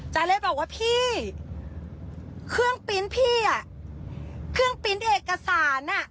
เลยบอกว่าพี่เครื่องปินพี่อ่ะเครื่องปินเอกสารอ่ะ